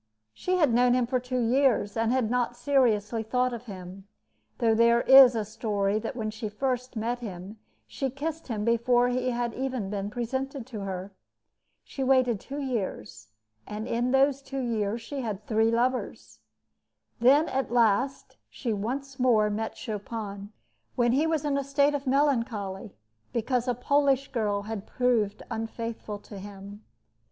She had known him for two years, and had not seriously thought of him, though there is a story that when she first met him she kissed him before he had even been presented to her. She waited two years, and in those two years she had three lovers. Then at last she once more met Chopin, when he was in a state of melancholy, because a Polish girl had proved unfaithful to him.